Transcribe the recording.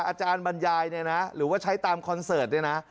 อาจารย์บรรยายหรือว่าใช้ตามคอนเสิร์ต